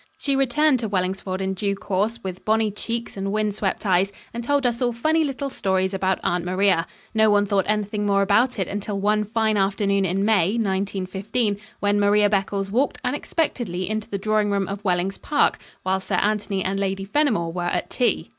She returned to Wellingsford in due course, with bonny cheeks and wind swept eyes, and told us all funny little stories about Aunt Maria. No one thought anything more about it until one fine afternoon in May, 1915, when Maria Beccles walked unexpectedly into the drawing room of Wellings Park, while Sir Anthony and Lady Fenimore were at tea.